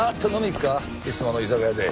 いつもの居酒屋で。